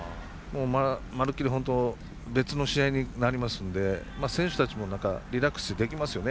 まるきり本当別の試合になりますので選手たちもリラックスしてできますよね